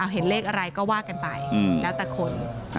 เห็นเลขอะไรก็ว่ากันไปแล้วแต่คน